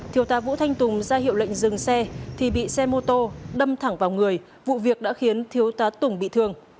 thiếu tá vũ thanh tùng ra hiệu lệnh dừng xe thì bị xe mô tô đâm thẳng vào người vụ việc đã khiến thiếu tá tùng bị thương